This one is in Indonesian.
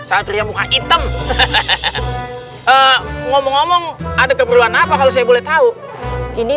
pasatria muka item ngomong ngomong ada keperluan apa kalau saya boleh tahu ini